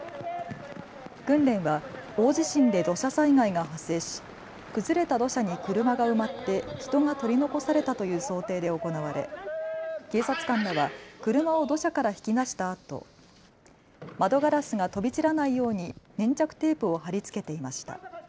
訓練は大地震で土砂災害が発生し崩れた土砂に車が埋まって人が取り残されたという想定で行われ警察官らは車を土砂から引き出したあと窓ガラスが飛び散らないように粘着テープを貼り付けていました。